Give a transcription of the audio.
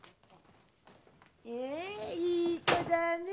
ねえいい子だねえ！